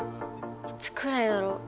いつくらいだろう？